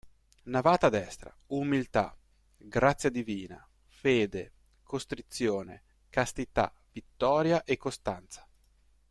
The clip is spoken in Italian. Navata destra: "Umiltà", "Grazia divina", "Fede", "Costrizione", "Castità", "Vittoria" e "Costanza".